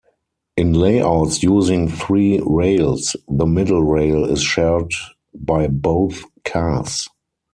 In layouts using three rails, the middle rail is shared by both cars.